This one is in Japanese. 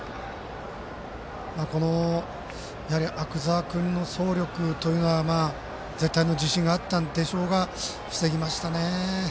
やはり阿久澤君の走力というのは絶対の自信があったんでしょうが防ぎましたね。